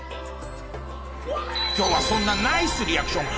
今日はそんなナイスリアクション